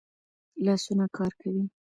لاسونه کار کوي